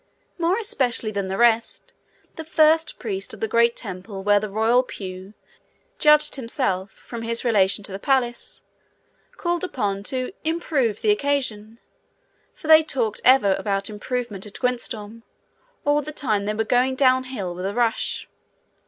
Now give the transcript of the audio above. More especially than the rest, the first priest of the great temple where was the royal pew, judged himself, from his relation to the palace, called upon to 'improve the occasion', for they talked ever about improvement at Gwyntystorm, all the time they were going down hill with a rush.